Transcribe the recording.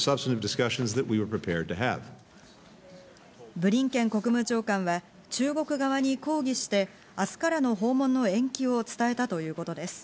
ブリンケン国務長官は、中国側に抗議して明日からの訪問の延期を伝えたということです。